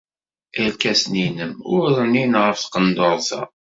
Irkasen-nnem ur rnin ɣef tqendurt-a.